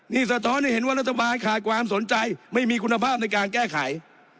นี่สะท้อนให้เห็นว่ารัฐบาลขาดความสนใจไม่มีคุณภาพในการแก้ไข